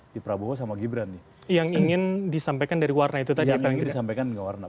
di prabowo sama gibran yang ingin disampaikan dari warna itu tadi yang ingin disampaikan warna